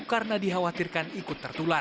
karena dikhawatirkan ikut tertular